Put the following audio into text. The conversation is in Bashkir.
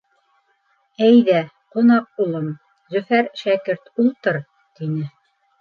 — Әйҙә, ҡунаҡ улым, Зөфәр шәкерт, ултыр! — тине.